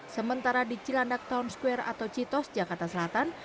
sementara di cilandak town square atau citos jakarta selatan